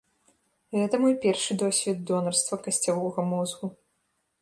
Гэта мой першы досвед донарства касцявога мозгу.